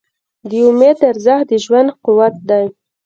د امید ارزښت د ژوند قوت دی.